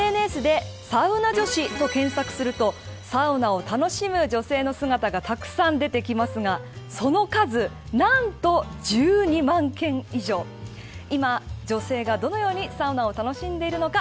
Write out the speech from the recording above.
今、ＳＮＳでサウナ女子と検索するとサウナを楽しむ女性の姿がたくさん出てきますがその数、なんと１２万件以上と今、女性がどのようにサウナを楽しんでいるのか。